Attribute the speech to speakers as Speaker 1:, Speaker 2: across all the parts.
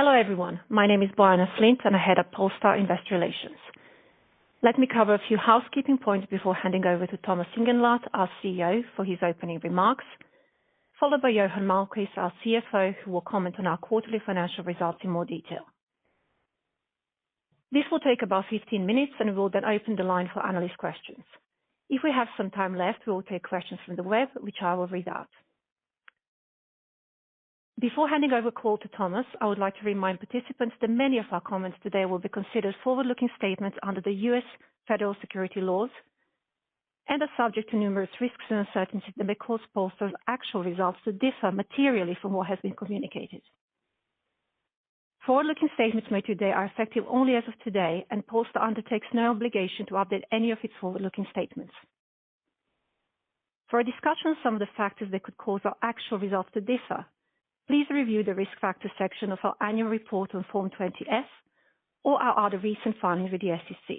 Speaker 1: Hello, everyone. My name is Bojana Flint, and I head up Polestar Investor Relations. Let me cover a few housekeeping points before handing over to Thomas Ingenlath, our CEO, for his opening remarks, followed by Johan Malmqvist, our CFO, who will comment on our quarterly financial results in more detail. This will take about 15 minutes, and we will then open the line for analyst questions. If we have some time left, we will take questions from the web, which I will read out. Before handing over the call to Thomas, I would like to remind participants that many of our comments today will be considered forward-looking statements under the US federal securities laws and are subject to numerous risks and uncertainties that may cause Polestar's actual results to differ materially from what has been communicated. Forward-looking statements made today are effective only as of today, and Polestar undertakes no obligation to update any of its forward-looking statements. For a discussion of some of the factors that could cause our actual results to differ, please review the Risk Factors section of our annual report on Form 20-F or our other recent filings with the SEC.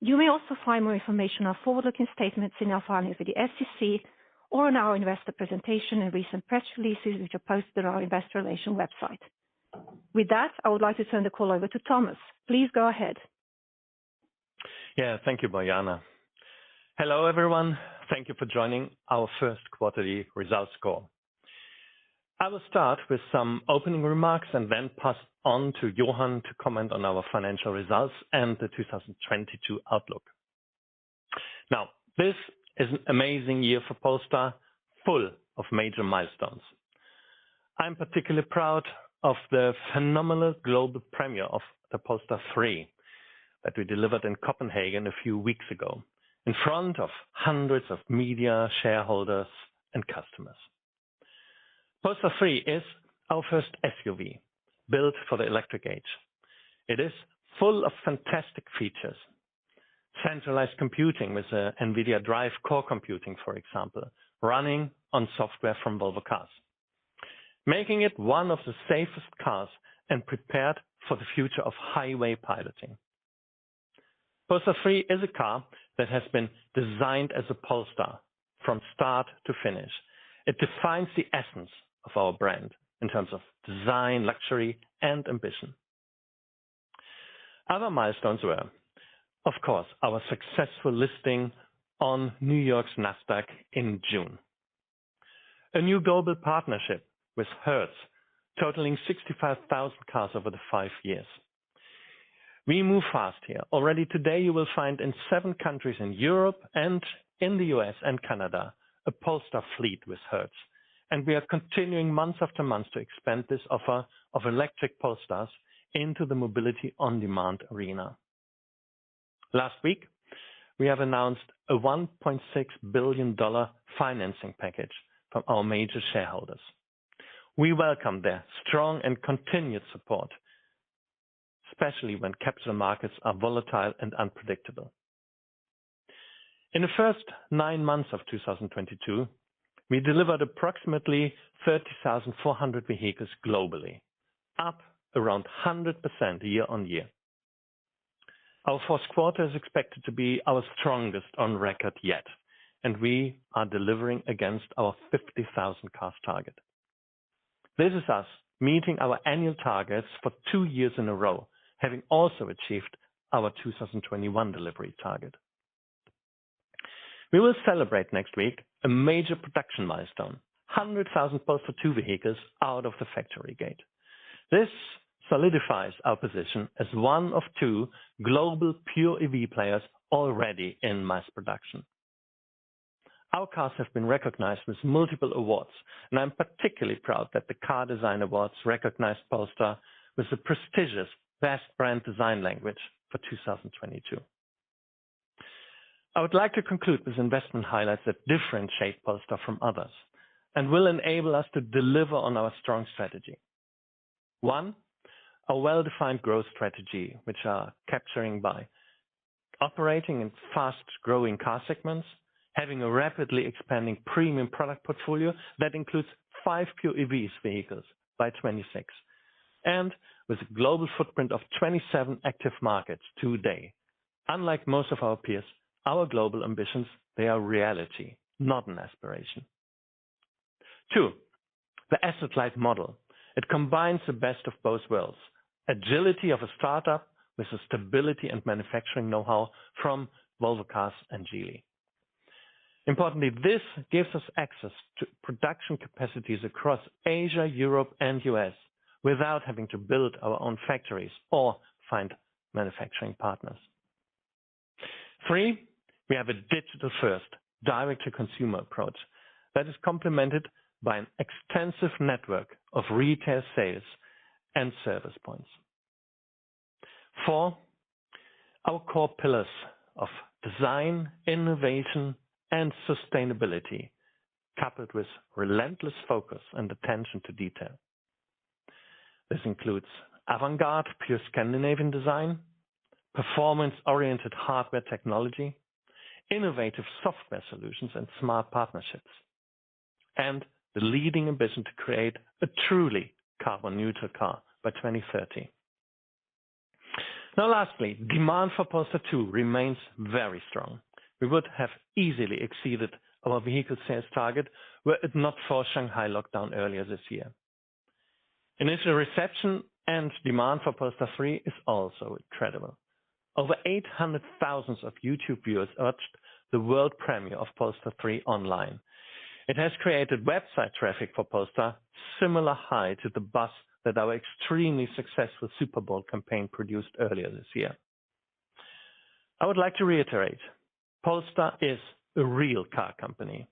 Speaker 1: You may also find more information on forward-looking statements in our filings with the SEC or on our investor presentation and recent press releases, which are posted on our investor relations website. With that, I would like to turn the call over to Thomas. Please go ahead.
Speaker 2: Yeah. Thank you, Bojana. Hello, everyone. Thank you for joining our Q1ly results call. I will start with some opening remarks and then pass on to Johan to comment on our financial results and the 2022 outlook. This is an amazing year for Polestar, full of major milestones. I'm particularly proud of the phenomenal global premiere of the Polestar 3 that we delivered in Copenhagen a few weeks ago in front of hundreds of media, shareholders and customers. Polestar 3 is our first SUV built for the electric age. It is full of fantastic features. Centralized computing with a NVIDIA DRIVE Core computing, for example, running on software from Volvo Cars, making it one of the safest cars and prepared for the future of highway piloting. Polestar 3 is a car that has been designed as a Polestar from start to finish. It defines the essence of our brand in terms of design, luxury and ambition. Other milestones were, of course, our successful listing on New York's NASDAQ in June. A new global partnership with Hertz totaling 65,000 cars over the five years. We move fast here. Already today, you will find in seven countries in Europe and in the U.S. and Canada, a Polestar fleet with Hertz, and we are continuing month after month to expand this offer of electric Polestars into the mobility on-demand arena. Last week, we have announced a $1.6 billion financing package from our major shareholders. We welcome their strong and continued support, especially when capital markets are volatile and unpredictable. In the first nine months of 2022, we delivered approximately 30,400 vehicles globally, up around 100% year-on-year. Our Q4 is expected to be our strongest on record yet, and we are delivering against our 50,000 car target. This is us meeting our annual targets for two years in a row, having also achieved our 2021 delivery target. We will celebrate next week a major production milestone, 100,000 Polestar 2 vehicles out of the factory gate. This solidifies our position as one of two global pure EV players already in mass production. Our cars have been recognized with multiple awards, and I'm particularly proud that the Car Design Awards recognized Polestar with the prestigious Best Brand Design Language for 2022. I would like to conclude with investment highlights that differentiate Polestar from others and will enable us to deliver on our strong strategy. One, a well-defined growth strategy which are capturing by operating in fast-growing car segments, having a rapidly expanding premium product portfolio that includes five pure EV vehicles by 2026 and with a global footprint of 27 active markets today. Unlike most of our peers, our global ambitions, they are reality, not an aspiration. Two, the asset-light model. It combines the best of both worlds, agility of a startup with the stability and manufacturing know-how from Volvo Cars and Geely. Importantly, this gives us access to production capacities across Asia, Europe, and U.S. without having to build our own factories or find manufacturing partners. Three, we have a digital-first direct-to-consumer approach that is complemented by an extensive network of retail sales and service points. Four, our core pillars of design, innovation, and sustainability, coupled with relentless focus and attention to detail. This includes avant-garde pure Scandinavian design, performance-oriented hardware technology, innovative software solutions and smart partnerships, and the leading ambition to create a truly carbon neutral car by 2030. Now lastly, demand for Polestar 2 remains very strong. We would have easily exceeded our vehicle sales target were it not for Shanghai lockdown earlier this year. Initial reception and demand for Polestar 3 is also incredible. Over 800,000 YouTube viewers watched the world premiere of Polestar 3 online. It has created website traffic for Polestar similarly high to the buzz that our extremely successful Super Bowl campaign produced earlier this year. I would like to reiterate, Polestar is a real car company.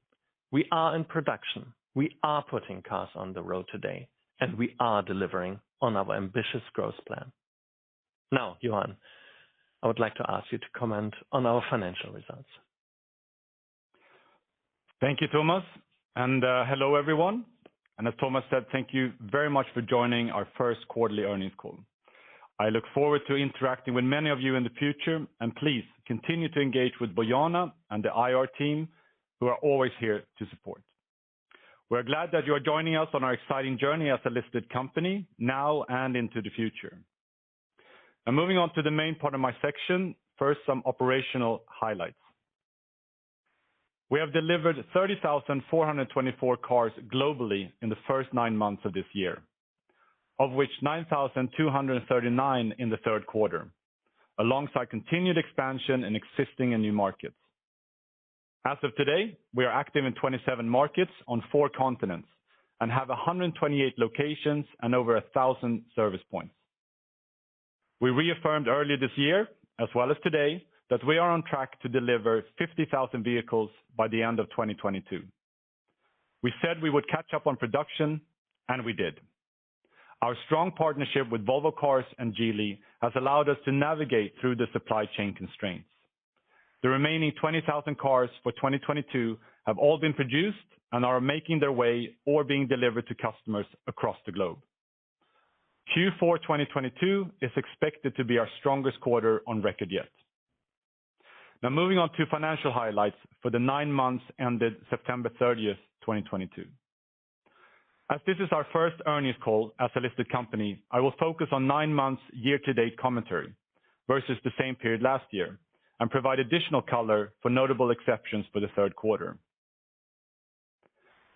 Speaker 2: We are in production. We are putting cars on the road today, and we are delivering on our ambitious growth plan. Now, Johan, I would like to ask you to comment on our financial results.
Speaker 3: Thank you, Thomas. Hello, everyone. As Thomas said, thank you very much for joining our Q1ly earnings call. I look forward to interacting with many of you in the future, and please continue to engage with Bojana and the IR team, who are always here to support. We're glad that you are joining us on our exciting journey as a listed company now and into the future. Now moving on to the main part of my section, first, some operational highlights. We have delivered 30,424 cars globally in the first nine months of this year, of which 9,239 in the Q3, alongside continued expansion in existing and new markets. As of today, we are active in 27 markets on four continents and have 128 locations and over 1,000 service points. We reaffirmed earlier this year, as well as today, that we are on track to deliver 50,000 vehicles by the end of 2022. We said we would catch up on production, and we did. Our strong partnership with Volvo Cars and Geely has allowed us to navigate through the supply chain constraints. The remaining 20,000 cars for 2022 have all been produced and are making their way or being delivered to customers across the globe. Q4 2022 is expected to be our strongest quarter on record yet. Now moving on to financial highlights for the nine months ended September 30, 2022. As this is our first earnings call as a listed company, I will focus on nine months year-to-date commentary versus the same period last year and provide additional color for notable exceptions for the Q3.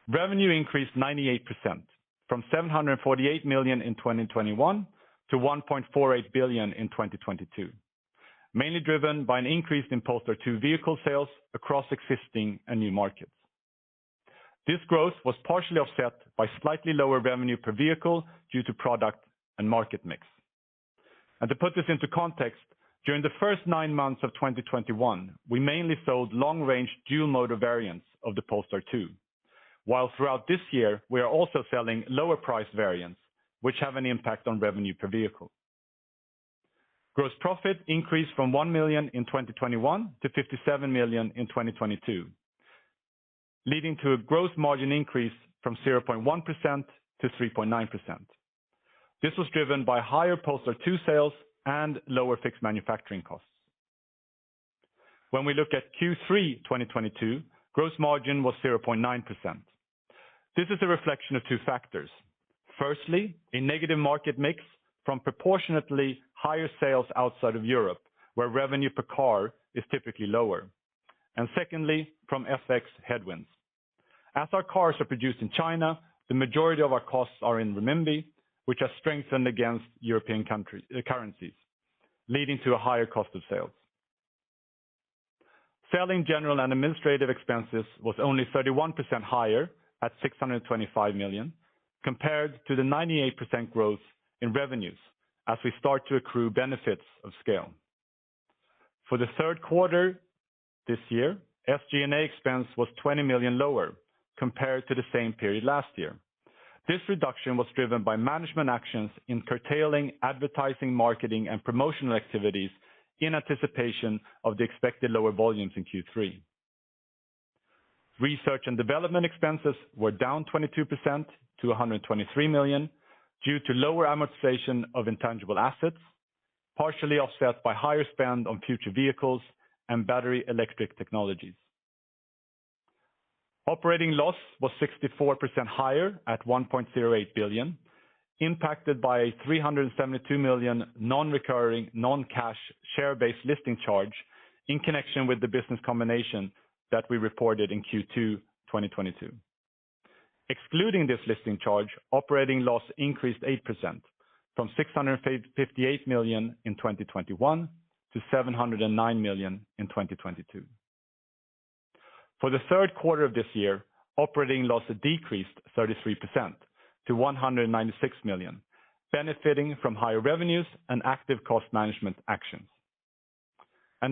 Speaker 3: Revenue increased 98% from $748 million in 2021 to $1.48 billion in 2022, mainly driven by an increase in Polestar 2 vehicle sales across existing and new markets. This growth was partially offset by slightly lower revenue per vehicle due to product and market mix. To put this into context, during the first nine months of 2021, we mainly sold long-range dual motor variants of the Polestar 2, while throughout this year, we are also selling lower price variants, which have an impact on revenue per vehicle. Gross profit increased from $1 million in 2021 to $57 million in 2022, leading to a gross margin increase from 0.1%-3.9%. This was driven by higher Polestar 2 sales and lower fixed manufacturing costs. When we look at Q3 2022, gross margin was 0.9%. This is a reflection of two factors. Firstly, a negative market mix from proportionately higher sales outside of Europe, where revenue per car is typically lower. Secondly, from FX headwinds. As our cars are produced in China, the majority of our costs are in renminbi, which are strengthened against European currencies, leading to a higher cost of sales. Selling, general, and administrative expenses was only 31% higher at $625 million compared to the 98% growth in revenues as we start to accrue benefits of scale. For the Q3 this year, SG&A expense was $20 million lower compared to the same period last year. This reduction was driven by management actions in curtailing advertising, marketing, and promotional activities in anticipation of the expected lower volumes in Q3. Research and development expenses were down 22% to $123 million due to lower amortization of intangible assets, partially offset by higher spend on future vehicles and battery electric technologies. Operating loss was 64% higher at $1.08 billion, impacted by $372 million non-recurring, non-cash share-based listing charge in connection with the business combination that we reported in Q2 2022. Excluding this listing charge, operating loss increased 8% from $658 million in 2021 to $709 million in 2022. For the Q3 of this year, operating loss decreased 33% to $196 million, benefiting from higher revenues and active cost management actions.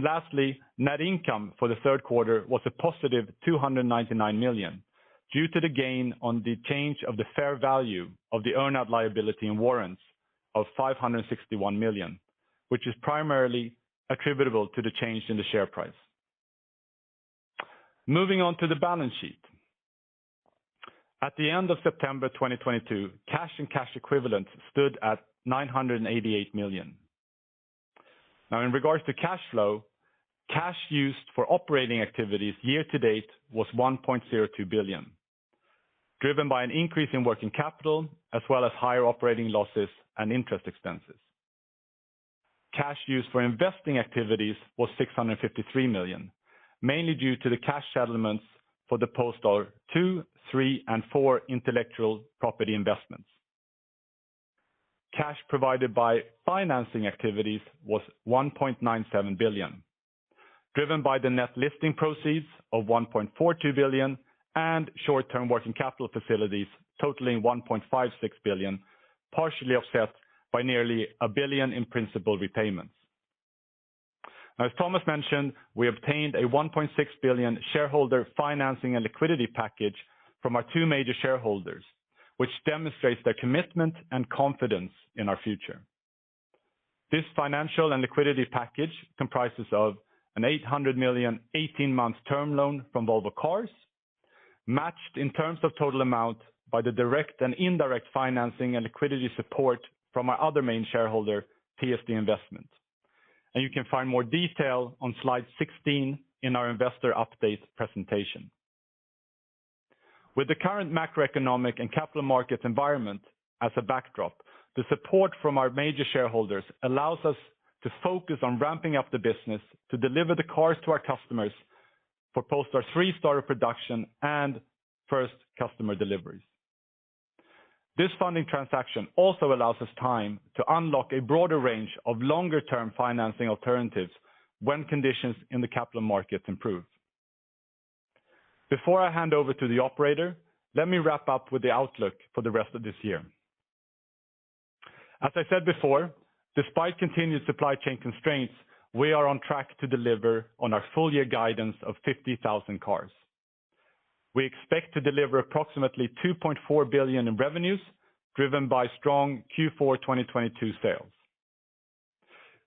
Speaker 3: Lastly, net income for the Q3 was a positive $299 million due to the gain on the change of the fair value of the earn-out liability and warrants of $561 million, which is primarily attributable to the change in the share price. Moving on to the balance sheet. At the end of September 2022, cash and cash equivalents stood at $988 million. Now in regards to cash flow, cash used for operating activities year to date was $1.02 billion. Driven by an increase in working capital, as well as higher operating losses and interest expenses. Cash used for investing activities was $653 million, mainly due to the cash settlements for the Polestar 2, 3, and 4 intellectual property investments. Cash provided by financing activities was $1.97 billion. Driven by the net listing proceeds of $1.42 billion and short-term working capital facilities totaling $1.56 billion, partially offset by nearly $1 billion in principal repayments. As Thomas mentioned, we obtained a $1.6 billion shareholder financing and liquidity package from our two major shareholders, which demonstrates their commitment and confidence in our future. This financial and liquidity package comprises of an $800 million, 18-month term loan from Volvo Cars, matched in terms of total amount by the direct and indirect financing and liquidity support from our other main shareholder, PSD Investment. You can find more detail on slide 16 in our investor update presentation. With the current macroeconomic and capital market environment as a backdrop, the support from our major shareholders allows us to focus on ramping up the business to deliver the cars to our customers for Polestar 3 start of production and first customer deliveries. This funding transaction also allows us time to unlock a broader range of longer-term financing alternatives when conditions in the capital markets improve. Before I hand over to the operator, let me wrap up with the outlook for the rest of this year. As I said before, despite continued supply chain constraints, we are on track to deliver on our full year guidance of 50,000 cars. We expect to deliver approximately $2.4 billion in revenues, driven by strong Q4 2022 sales.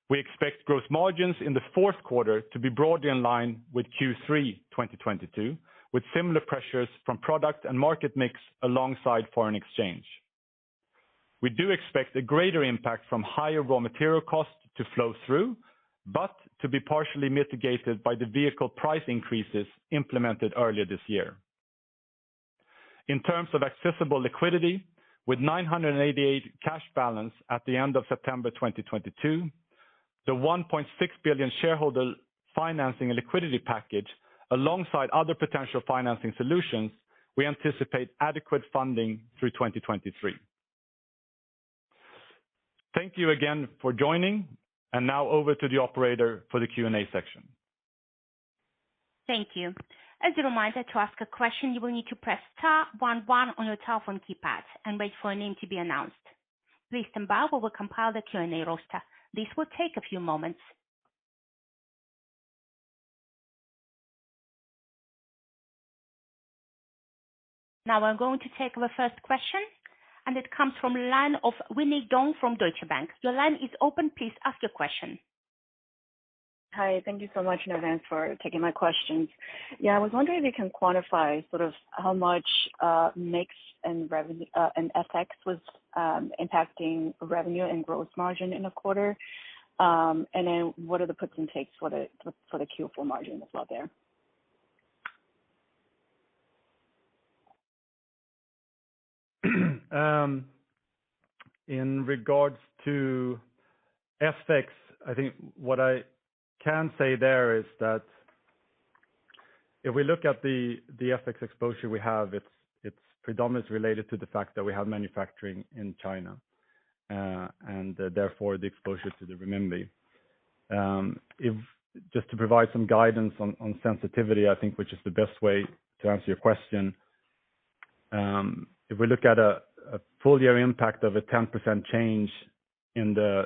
Speaker 3: We expect growth margins in the Q4 to be broadly in line with Q3 2022, with similar pressures from product and market mix alongside foreign exchange. We do expect a greater impact from higher raw material costs to flow through, but to be partially mitigated by the vehicle price increases implemented earlier this year. In terms of accessible liquidity, with $988 million cash balance at the end of September 2022, the $1.6 billion shareholder financing and liquidity package, alongside other potential financing solutions, we anticipate adequate funding through 2023. Thank you again for joining, and now over to the operator for the Q&A section.
Speaker 4: Thank you. As a reminder to ask a question, you will need to press star one one on your telephone keypad and wait for a name to be announced. Please stand by while we compile the Q&A roster. This will take a few moments. Now I'm going to take the first question, and it comes from the line of Winnie Dong from Deutsche Bank. Your line is open. Please ask your question.
Speaker 5: Hi. Thank you so much, Johan Malmqvist, for taking my questions. Yeah, I was wondering if you can quantify sort of how much mix and revenue and FX was impacting revenue and gross margin in the quarter. What are the puts and takes for the Q4 margin as well there?
Speaker 3: In regards to FX, I think what I can say there is that if we look at the FX exposure we have, it's predominantly related to the fact that we have manufacturing in China, and therefore the exposure to the renminbi. Just to provide some guidance on sensitivity, I think, which is the best way to answer your question. If we look at a full year impact of a 10% change in the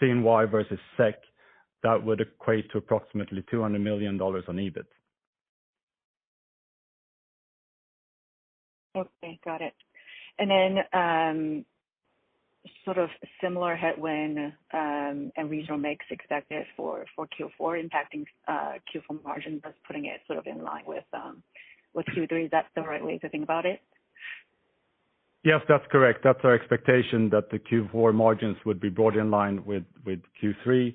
Speaker 3: CNY versus SEK, that would equate to approximately $200 million on EBIT.
Speaker 5: Okay, got it. Sort of similar headwind, and regional mix expected for Q4 impacting Q4 margin, thus putting it sort of in line with Q3. Is that the right way to think about it?
Speaker 3: Yes, that's correct. That's our expectation that the Q4 margins would be brought in line with Q3.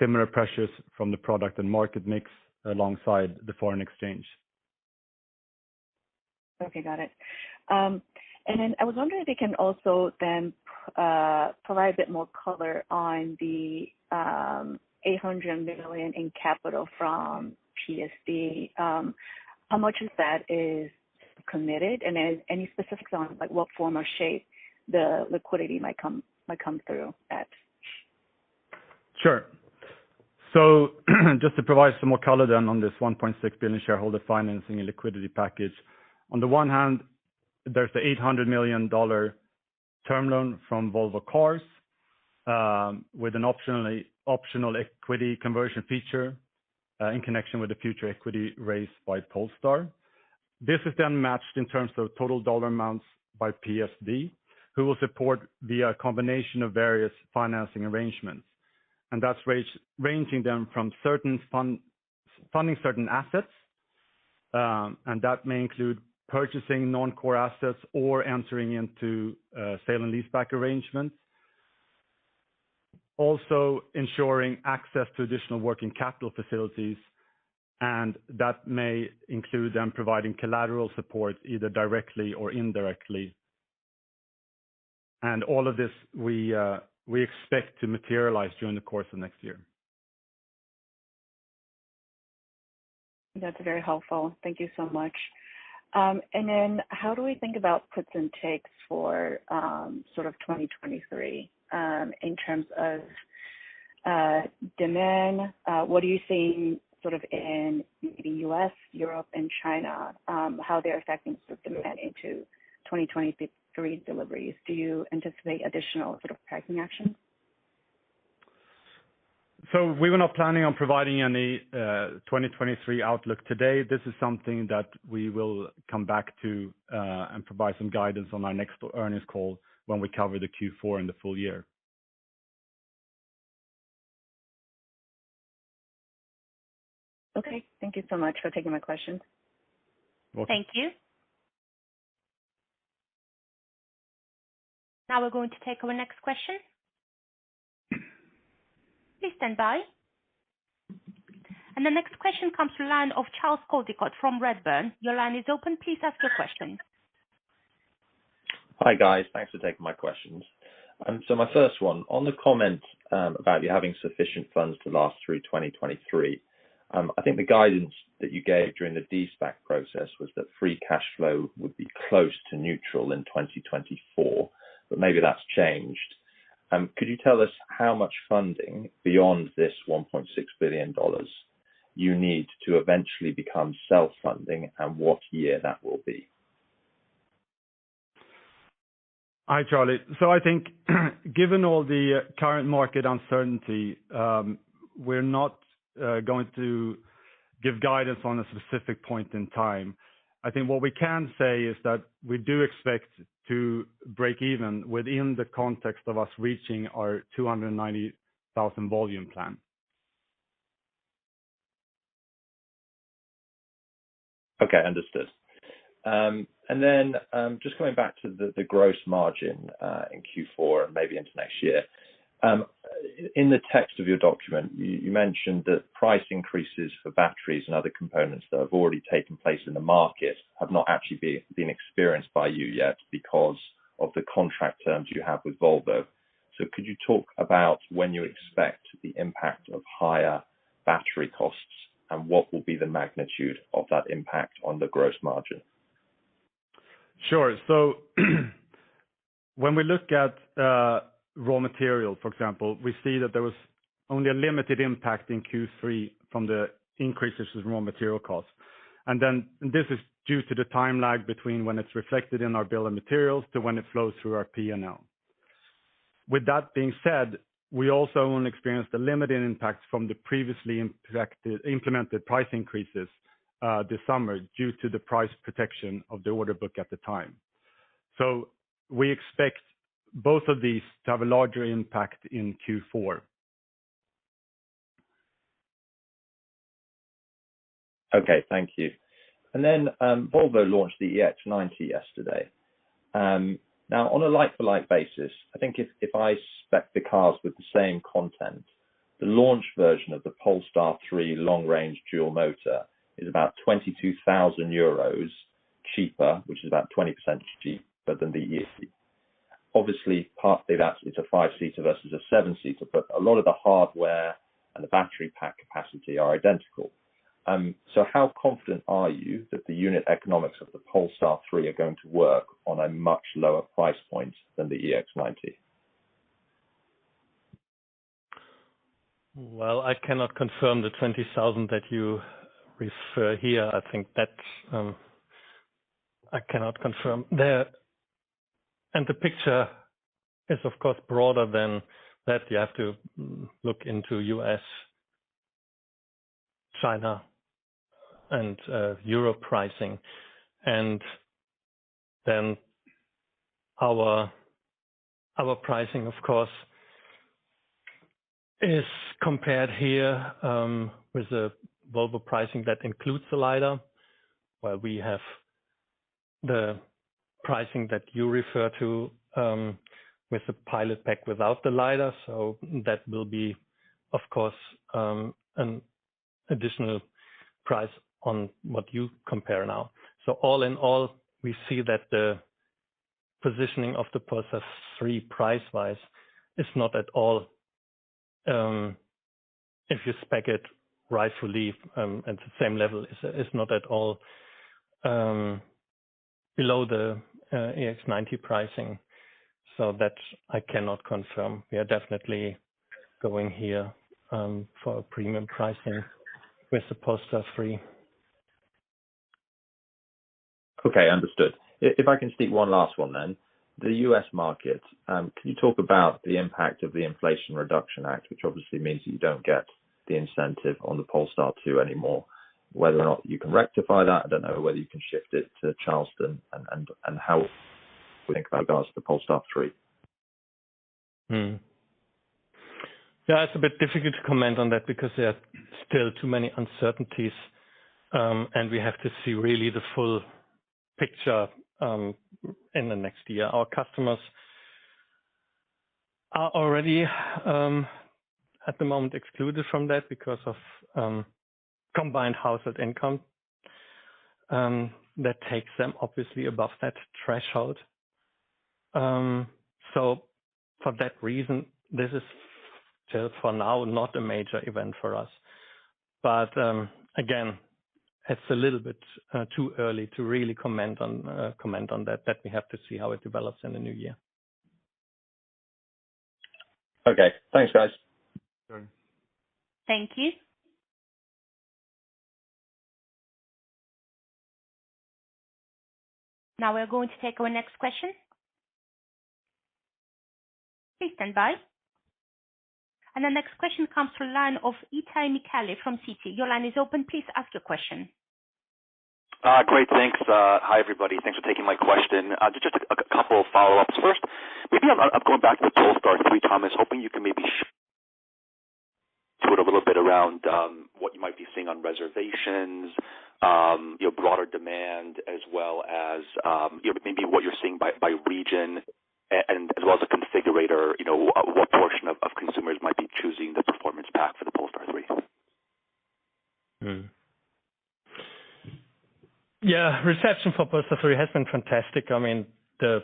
Speaker 3: Similar pressures from the product and market mix alongside the foreign exchange.
Speaker 5: Okay, got it. I was wondering if you can also then provide a bit more color on the $800 million in capital from PSD. How much of that is committed? Any specifics on, like, what form or shape the liquidity might come through at?
Speaker 3: Sure. Just to provide some more color on this $1.6 billion shareholder financing and liquidity package. On the one hand, there's the $800 million term loan from Volvo Cars, with an optional equity conversion feature, in connection with the future equity raised by Polestar. This is matched in terms of total dollar amounts by PSD, who will support via a combination of various financing arrangements. That's ranging them from funding certain assets, and that may include purchasing non-core assets or entering into a sale and leaseback arrangement. Ensuring access to additional working capital facilities, and that may include them providing collateral support either directly or indirectly. All of this we expect to materialize during the course of next year.
Speaker 5: That's very helpful. Thank you so much. How do we think about puts and takes for sort of 2023, in terms of demand? What are you seeing sort of in the U.S., Europe and China, how they're affecting sort of demand into 2023 deliveries? Do you anticipate additional sort of pricing actions?
Speaker 3: We were not planning on providing any 2023 outlook today. This is something that we will come back to and provide some guidance on our next earnings call when we cover the Q4 and the full year.
Speaker 5: Okay. Thank you so much for taking my questions.
Speaker 3: Welcome.
Speaker 4: Thank you. Now we're going to take our next question. Please stand by. The next question comes to line of Charles Coldicott from Redburn. Your line is open. Please ask your question.
Speaker 6: Hi, guys. Thanks for taking my questions. My first one, on the comment, about you having sufficient funds to last through 2023, I think the guidance that you gave during the de-SPAC process was that free cash flow would be close to neutral in 2024, but maybe that's changed. Could you tell us how much funding beyond this $1.6 billion you need to eventually become self-funding and what year that will be?
Speaker 3: Hi, Charlie. I think given all the current market uncertainty, we're not going to give guidance on a specific point in time. I think what we can say is that we do expect to break even within the context of us reaching our 290,000 volume plan.
Speaker 6: Okay, understood. Just going back to the gross margin in Q4 and maybe into next year. In the text of your document, you mentioned that price increases for batteries and other components that have already taken place in the market have not actually been experienced by you yet because of the contract terms you have with Volvo. Could you talk about when you expect the impact of higher battery costs and what will be the magnitude of that impact on the gross margin?
Speaker 3: Sure. When we look at raw material, for example, we see that there was only a limited impact in Q3 from the increases in raw material costs. This is due to the time lag between when it's reflected in our bill of materials to when it flows through our P&L. With that being said, we also only experienced a limited impact from the previously implemented price increases this summer due to the price protection of the order book at the time. We expect both of these to have a larger impact in Q4.
Speaker 6: Okay. Thank you. Volvo launched the EX90 yesterday. Now on a like-for-like basis, I think if I spec the cars with the same content, the launch version of the Polestar 3 Long Range Dual Motor is about 22,000 euros cheaper, which is about 20% cheaper than the EX. Obviously, partly that it's a five-seater versus a seven-seater, but a lot of the hardware and the battery pack capacity are identical. How confident are you that the unit economics of the Polestar 3 are going to work on a much lower price point than the EX90?
Speaker 2: Well, I cannot confirm the $20,000 that you refer here. I think that I cannot confirm. The picture is of course broader than that. You have to look into US, China, and Europe pricing. Our pricing of course is compared here with the Volvo pricing that includes the LiDAR, where we have the pricing that you refer to with the Pilot Pack without the LiDAR. That will be of course an additional price on what you compare now. All in all, we see that the positioning of the Polestar 3 price-wise is not at all, if you spec it rightfully, at the same level, is not at all below the EX90 pricing. That I cannot confirm. We are definitely going here for a premium pricing with the Polestar 3.
Speaker 6: Okay, understood. If I can sneak one last one then. The U.S. market, can you talk about the impact of the Inflation Reduction Act, which obviously means that you don't get the incentive on the Polestar 2 anymore, whether or not you can rectify that. I don't know whether you can shift it to Charleston and how we think about that with the Polestar 3.
Speaker 3: Yeah, it's a bit difficult to comment on that because there are still too many uncertainties, and we have to see really the full.
Speaker 2: Picture in the next year. Our customers are already at the moment excluded from that because of combined household income that takes them obviously above that threshold. For that reason, this is just for now, not a major event for us. Again, it's a little bit too early to really comment on that we have to see how it develops in the new year.
Speaker 6: Okay. Thanks, guys.
Speaker 2: Sure.
Speaker 4: Thank you. Now we're going to take our next question. Please stand by. The next question comes from line of Itay Michaeli from Citi. Your line is open. Please ask your question.
Speaker 7: Great, thanks. Hi, everybody. Thanks for taking my question. Just a couple of follow-ups. First, maybe I'm going back to the Polestar 3, Thomas, hoping you can maybe talk a little bit around what you might be seeing on reservations, you know, broader demand as well as, you know, maybe what you're seeing by region and as well as the configurator, you know, what portion of consumers might be choosing the Performance Pack for the Polestar 3?
Speaker 2: Reception for Polestar 3 has been fantastic. I mean, the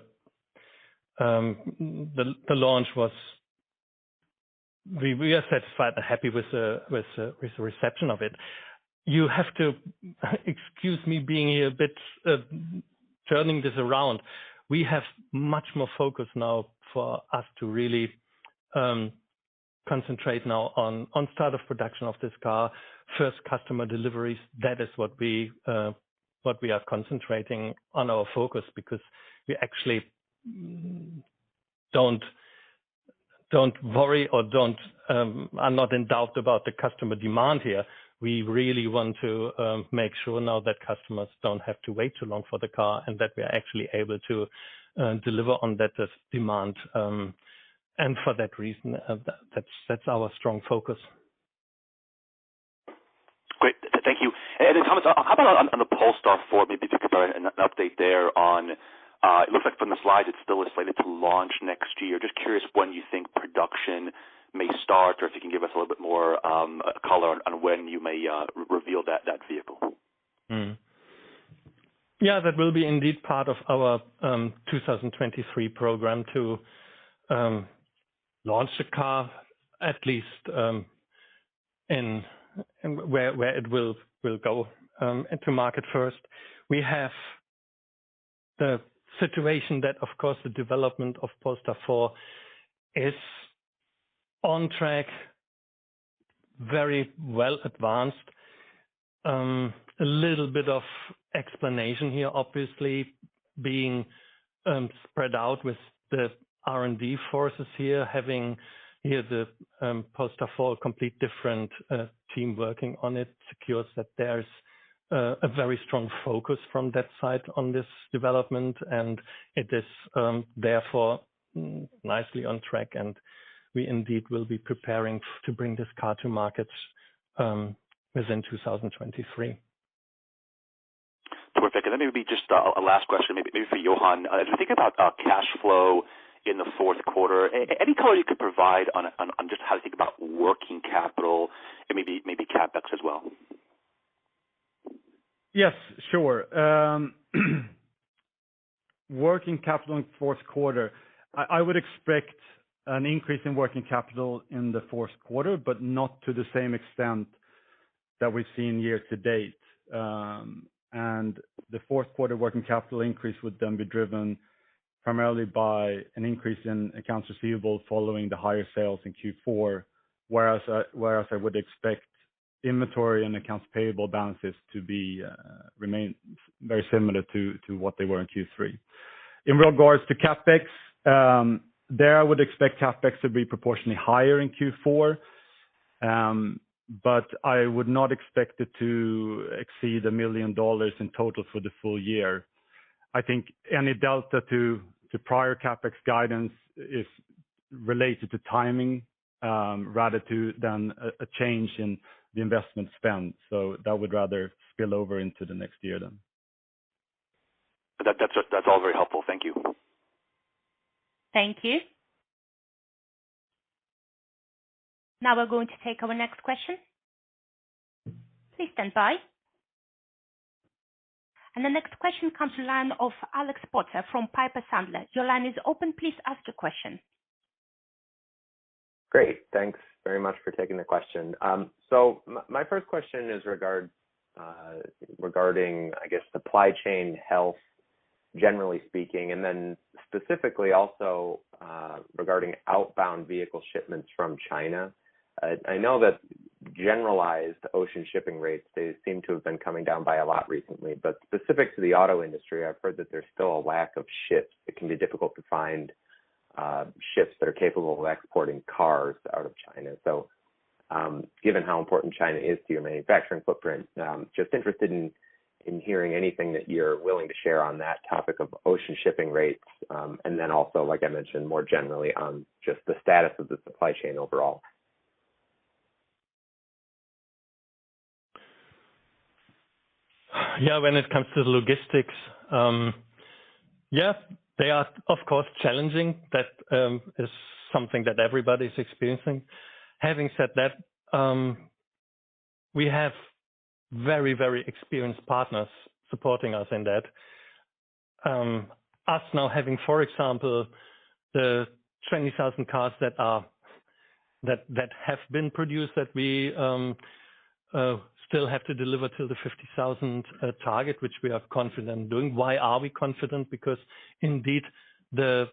Speaker 2: launch was. We are satisfied and happy with the reception of it. You have to excuse me being a bit turning this around. We have much more focus now for us to really concentrate now on start of production of this car, first customer deliveries. That is what we are concentrating on our focus because we actually don't worry or are not in doubt about the customer demand here. We really want to make sure now that customers don't have to wait too long for the car and that we are actually able to deliver on this demand. For that reason, that's our strong focus.
Speaker 7: Great. Thank you. Thomas, how about on the Polestar 4? Maybe if you could provide an update there on, it looks like from the slides, it's still slated to launch next year. Just curious when you think production may start or if you can give us a little bit more color on when you may reveal that vehicle.
Speaker 2: Yeah. That will be indeed part of our 2023 program to launch the car at least in where it will go into market first. We have the situation that, of course, the development of Polestar 4 is on track, very well advanced. A little bit of explanation here, obviously being spread out with the R&D forces here, having here the Polestar 4 completely different team working on it secures that there's a very strong focus from that side on this development, and it is therefore nicely on track, and we indeed will be preparing to bring this car to market within 2023.
Speaker 7: Perfect. Then maybe just a last question maybe for Johan. As we think about cash flow in the Q4, any color you could provide on just how to think about working capital and maybe CapEx as well.
Speaker 3: Yes, sure. Working capital in Q4. I would expect an increase in working capital in the Q4, but not to the same extent that we've seen year to date. The Q4 working capital increase would then be driven primarily by an increase in accounts receivable following the higher sales in Q4, whereas I would expect inventory and accounts payable balances to remain very similar to what they were in Q3. In regards to CapEx, I would expect CapEx to be proportionately higher in Q4, but I would not expect it to exceed $1 million in total for the full year. I think any delta to prior CapEx guidance is related to timing, rather than a change in the investment spend. That would rather spill over into the next year then.
Speaker 7: That's all very helpful. Thank you.
Speaker 4: Thank you. Now we're going to take our next question. Please stand by. The next question comes to line of Alex Potter from Piper Sandler. Your line is open. Please ask your question.
Speaker 8: Great. Thanks very much for taking the question. My first question is regarding, I guess, supply chain health, generally speaking, and then specifically also regarding outbound vehicle shipments from China. I know that generalized ocean shipping rates, they seem to have been coming down by a lot recently, but specific to the auto industry, I've heard that there's still a lack of ships. It can be difficult to find ships that are capable of exporting cars out of China. Given how important China is to your manufacturing footprint, just interested in hearing anything that you're willing to share on that topic of ocean shipping rates. Also, like I mentioned, more generally on just the status of the supply chain overall.
Speaker 2: Yeah, when it comes to the logistics, they are of course challenging. That is something that everybody's experiencing. Having said that, we have very, very experienced partners supporting us in that. We now have, for example, the 20,000 cars that have been produced that we still have to deliver to the 50,000 target, which we are confident doing. Why are we confident? Because indeed the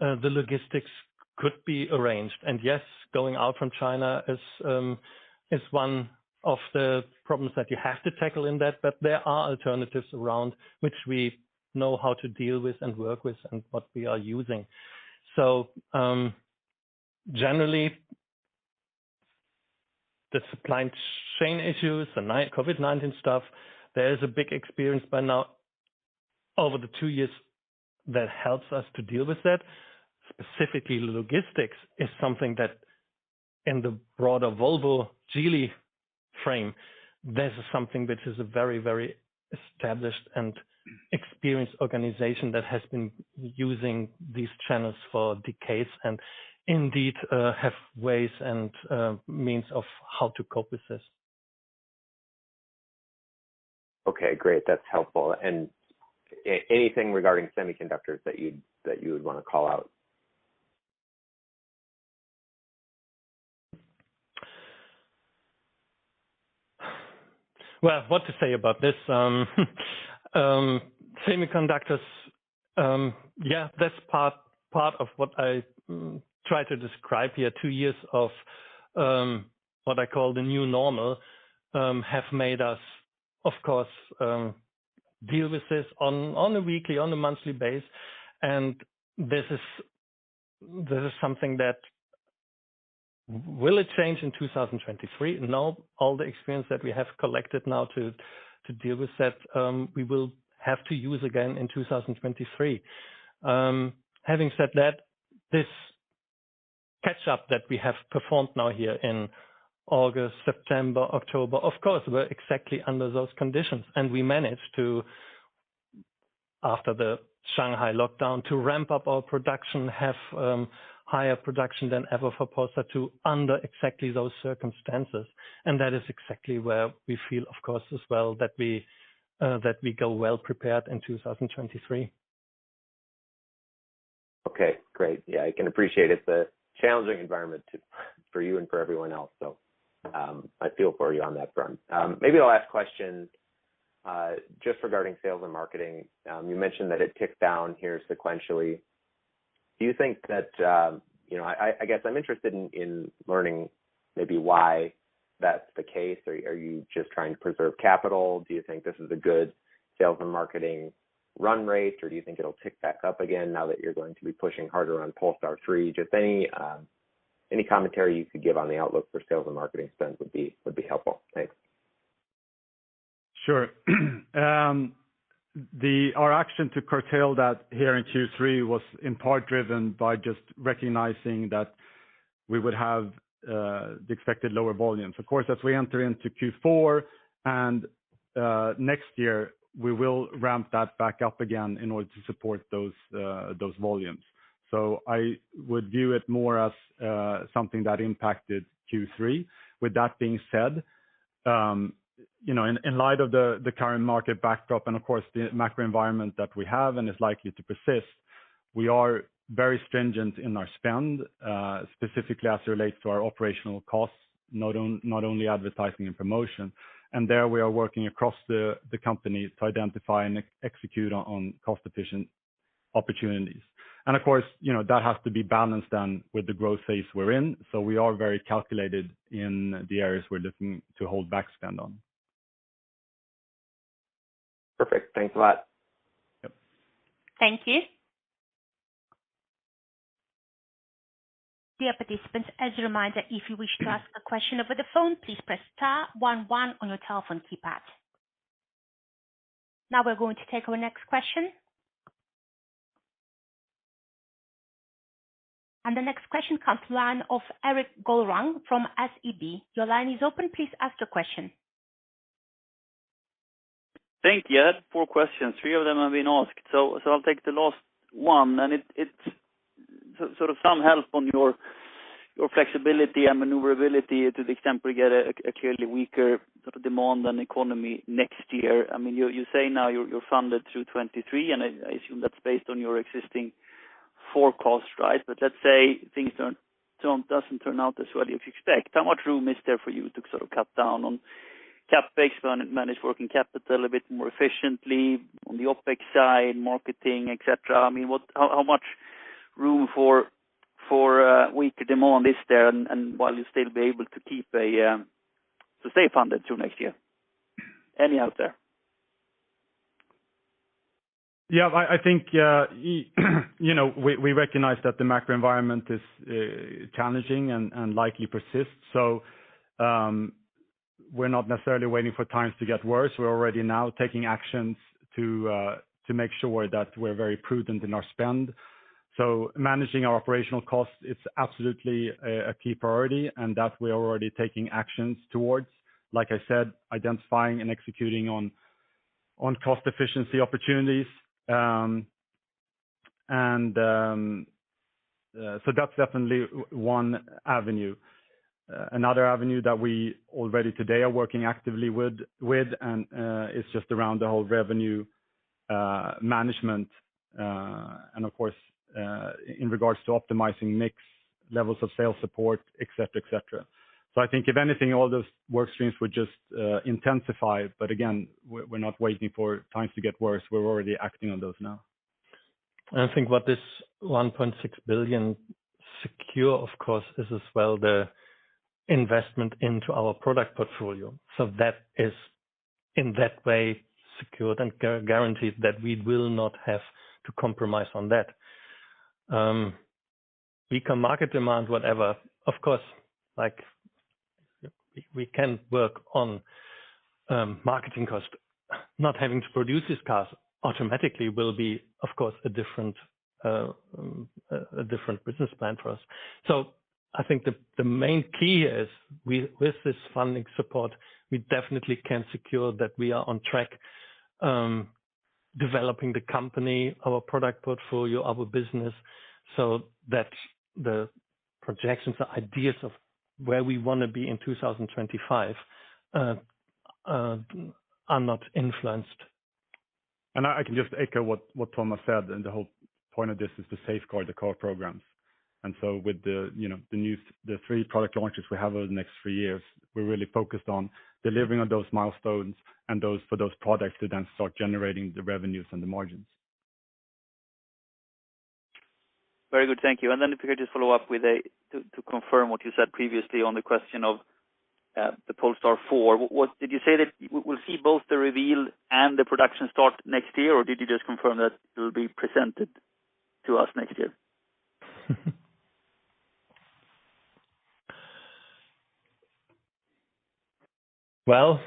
Speaker 2: logistics could be arranged. Yes, going out from China is one of the problems that you have to tackle in that. There are alternatives around which we know how to deal with and work with and what we are using. Generally, the supply chain issues, the COVID-19 stuff, there is a big experience by now over the two years that helps us to deal with that. Specifically, logistics is something that in the broader Volvo Geely frame, this is something which is a very, very established and experienced organization that has been using these channels for decades and indeed, have ways and means of how to cope with this.
Speaker 8: Okay, great. That's helpful. Anything regarding semiconductors that you would want to call out?
Speaker 2: Well, what to say about this? Semiconductors, yeah, that's part of what I try to describe here. Two years of what I call the new normal have made us, of course, deal with this on a weekly, monthly basis. This is something that. Will it change in 2023? No. All the experience that we have collected now to deal with that, we will have to use again in 2023. Having said that, this catch-up that we have performed now here in August, September, October, of course, we're exactly under those conditions. We managed to, after the Shanghai lockdown, ramp up our production, have higher production than ever for Polestar 2 under exactly those circumstances. That is exactly where we feel, of course, as well, that we go well prepared in 2023.
Speaker 8: Okay, great. Yeah, I can appreciate it. It's a challenging environment for you and for everyone else, so I feel for you on that front. Maybe the last question, just regarding sales and marketing. You mentioned that it ticked down here sequentially. Do you think that, you know, I guess I'm interested in learning maybe why that's the case. Are you just trying to preserve capital? Do you think this is a good sales and marketing run rate, or do you think it'll tick back up again now that you're going to be pushing harder on Polestar 3? Just any commentary you could give on the outlook for sales and marketing spend would be helpful. Thanks.
Speaker 3: Sure. Our action to curtail that here in Q3 was in part driven by just recognizing that we would have the expected lower volumes. Of course, as we enter into Q4 and next year, we will ramp that back up again in order to support those volumes. So I would view it more as something that impacted Q3. With that being said, you know, in light of the current market backdrop and of course, the macro environment that we have and is likely to persist, we are very stringent in our spend, specifically as it relates to our operational costs, not only advertising and promotion. There we are working across the company to identify and execute on cost-efficient opportunities. Of course, you know, that has to be balanced then with the growth phase we're in. We are very calculated in the areas we're looking to hold back spend on.
Speaker 8: Perfect. Thanks a lot.
Speaker 3: Yep.
Speaker 4: Thank you. Dear participants, as a reminder, if you wish to ask a question over the phone, please press star one one on your telephone keypad. Now we're going to take our next question. The next question comes from the line of Erik Golrang from SEB. Your line is open. Please ask your question.
Speaker 9: Thank you. I had four questions. Three of them have been asked, so I'll take the last one. It's sort of some help on your flexibility and maneuverability to the extent we get a clearly weaker sort of demand on economy next year. I mean, you say now you're funded through 2023, and I assume that's based on your existing forecast, right? But let's say things don't turn out as well as you expect. How much room is there for you to sort of cut down on CapEx, manage working capital a bit more efficiently on the OpEx side, marketing, et cetera? I mean, how much room for weaker demand is there and while you'll still be able to stay funded through next year? Any out there?
Speaker 3: Yeah. I think, you know, we recognize that the macro environment is challenging and likely persists. We're not necessarily waiting for times to get worse. We're already now taking actions to make sure that we're very prudent in our spend. Managing our operational costs is absolutely a key priority, and that we are already taking actions towards, like I said, identifying and executing on cost efficiency opportunities. That's definitely one avenue. Another avenue that we already today are working actively with is just around the whole revenue management, and of course, in regards to optimizing mix levels of sales support, et cetera. I think if anything, all those work streams would just intensify. Again, we're not waiting for times to get worse. We're already acting on those now.
Speaker 2: I think what this $1.6 billion secured, of course, is as well the investment into our product portfolio. That is in that way secured and guaranteed that we will not have to compromise on that. We can match demand whatever. Of course, like we can work on marketing costs. Not having to produce these cars automatically will be, of course, a different business plan for us. I think the main key is with this funding support, we definitely can secure that we are on track developing the company, our product portfolio, our business, so that the projections or ideas of where we wanna be in 2025 are not influenced.
Speaker 3: I can just echo what Thomas said, and the whole point of this is to safeguard the core programs. With, you know, the three product launches we have over the next three years, we're really focused on delivering on those milestones and those for those products to then start generating the revenues and the margins.
Speaker 9: Very good. Thank you. Then if we could just follow up to confirm what you said previously on the question of the Polestar 4. What did you say that we'll see both the reveal and the production start next year, or did you just confirm that it will be presented to us next year?
Speaker 2: Well,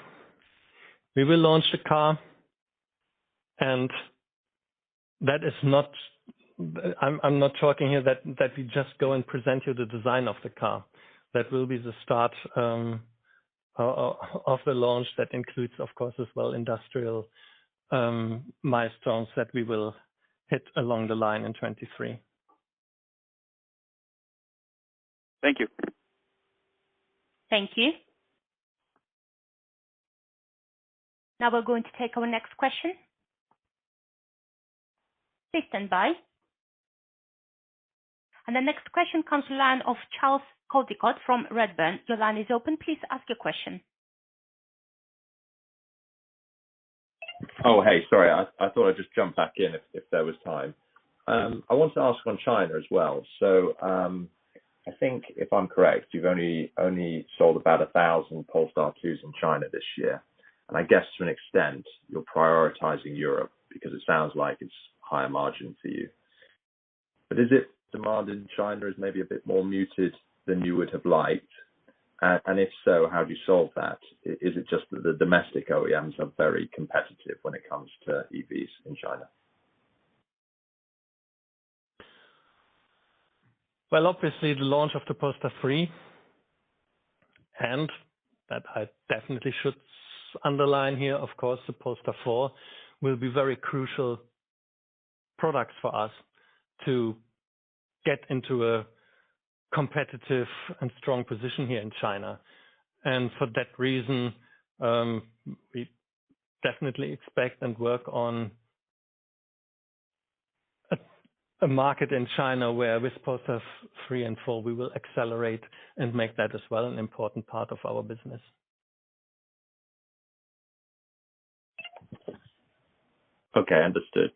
Speaker 2: we will launch the car, and that is not. I'm not talking here that we just go and present you the design of the car. That will be the start of the launch. That includes, of course, as well, industrial milestones that we will hit along the line in 2023.
Speaker 9: Thank you.
Speaker 4: Thank you. Now we're going to take our next question. Please stand by. The next question comes from the line of Charles Coldicott from Redburn. Your line is open. Please ask your question.
Speaker 6: Hey. Sorry, I thought I'd just jump back in if there was time. I wanted to ask on China as well. I think if I'm correct, you've only sold about 1,000 Polestar 2s in China this year. I guess to an extent you're prioritizing Europe because it sounds like it's higher margin for you. Is the demand in China maybe a bit more muted than you would have liked? And if so, how do you solve that? Is it just that the domestic OEMs are very competitive when it comes to EVs in China?
Speaker 2: Well, obviously, the launch of the Polestar 3, and that I definitely should underline here, of course, the Polestar 4 will be very crucial products for us to get into a competitive and strong position here in China. For that reason, we definitely expect and work on a market in China where with Polestar 3 and 4, we will accelerate and make that as well an important part of our business.
Speaker 6: Okay. Understood.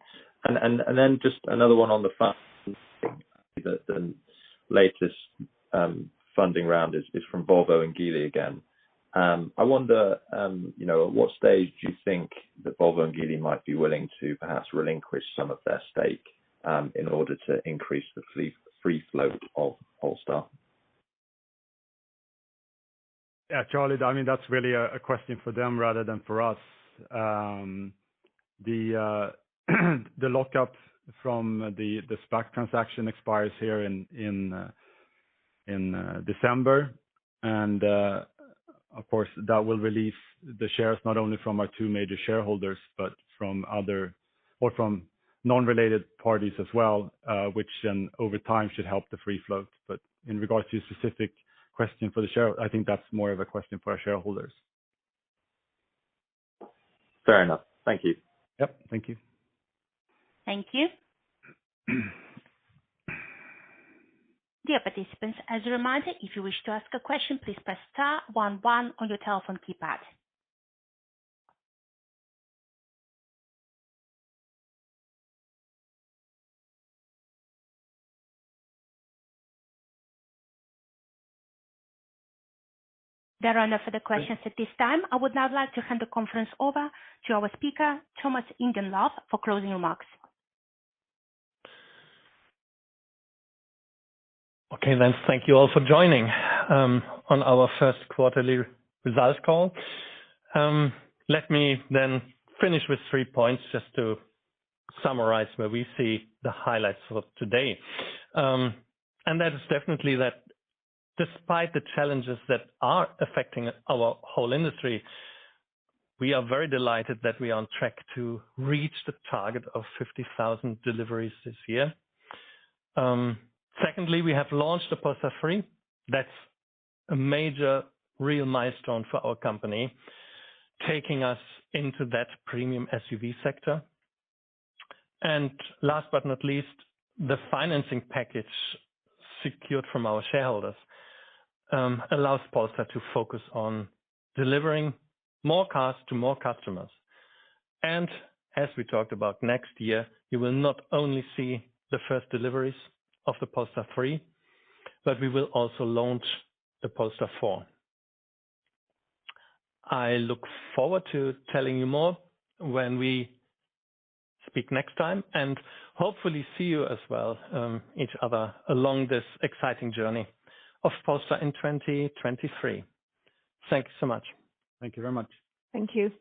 Speaker 6: Just another one on the fund. The latest funding round is from Volvo and Geely again. I wonder, you know, at what stage do you think that Volvo and Geely might be willing to perhaps relinquish some of their stake in order to increase the free flow of Polestar?
Speaker 3: Yeah, Charles, I mean, that's really a question for them rather than for us. The lockup from the SPAC transaction expires here in December. Of course, that will release the shares not only from our two major shareholders, but from other or from non-related parties as well, which then over time should help the free float. In regards to your specific question for the share, I think that's more of a question for our shareholders.
Speaker 6: Fair enough. Thank you.
Speaker 3: Yep. Thank you.
Speaker 4: Thank you. Dear participants, as a reminder, if you wish to ask a question, please press star one one on your telephone keypad. There are no further questions at this time. I would now like to hand the conference over to our speaker, Thomas Ingenlath, for closing remarks.
Speaker 2: Okay. Thank you all for joining on our Q1ly results call. Let me finish with three points just to summarize where we see the highlights of today. That is definitely that despite the challenges that are affecting our whole industry, we are very delighted that we are on track to reach the target of 50,000 deliveries this year. Secondly, we have launched the Polestar 3. That's a major real milestone for our company, taking us into that premium SUV sector. Last but not least, the financing package secured from our shareholders allows Polestar to focus on delivering more cars to more customers. As we talked about next year, you will not only see the first deliveries of the Polestar 3, but we will also launch the Polestar 4. I look forward to telling you more when we speak next time and hopefully see you as well, each other along this exciting journey of Polestar in 2023. Thank you so much.
Speaker 3: Thank you very much.
Speaker 4: Thank you.